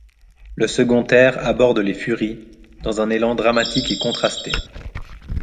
Le second air aborde les Furies, dans un élan dramatique et contrasté.